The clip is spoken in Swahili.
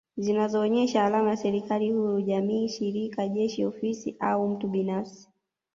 Zinazoonyesha alama ya serikali huru jamii shirika jeshi ofisi au mtu binafsi